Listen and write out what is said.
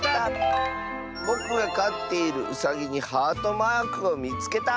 「ぼくがかっているうさぎにハートマークをみつけた！」。